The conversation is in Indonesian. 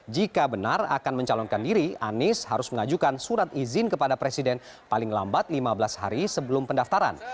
jika benar akan mencalonkan diri anies harus mengajukan surat izin kepada presiden paling lambat lima belas hari sebelum pendaftaran